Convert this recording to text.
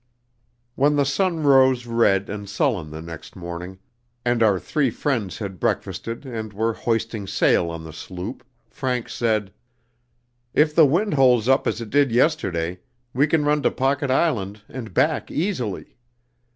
When the sun rose red and sullen the next morning, and our three friends had breakfasted and were hoisting sail on the sloop, Frank said: "If the wind holds up as it did yesterday, we can run to Pocket Island and back easily.